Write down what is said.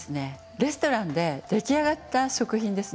レストランで出来上がった食品ですね。